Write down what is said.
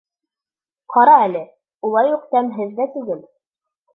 Ҡара әле, улай уҡ тәмһеҙ ҙә түгел.